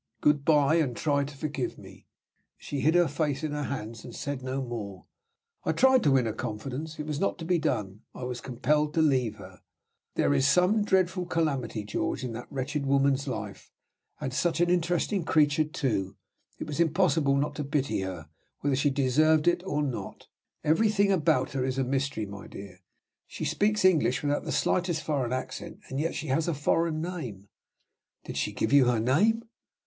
Good by; and try to forgive me!' She hid her face in her hands, and said no more. I tried to win her confidence; it was not to be done; I was compelled to leave her. There is some dreadful calamity, George, in that wretched woman's life. And such an interesting creature, too! It was impossible not to pity her, whether she deserved it or not. Everything about her is a mystery, my dear. She speaks English without the slightest foreign accent, and yet she has a foreign name." "Did she give you her name?"